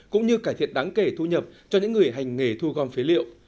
cũng như cải thiện đáng kể thu nhập cho những người hành nghề thu gom phế liệu